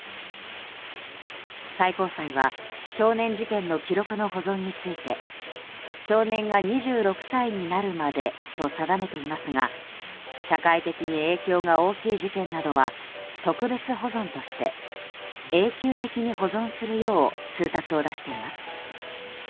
最高裁は少年事件の記録の保存について少年が２６歳になるまでと定めていますが社会的に影響が大きい事件などは特別保存として永久的に保存するよう通達を出しています。